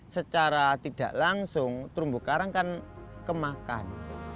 secara tidak langsung terumbu karang kan kemakan